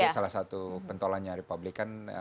salah satu pentolongan republikan